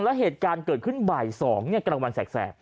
แล้วเหตุการณ์เกิดขึ้นบ่าย๒กลางวันแสก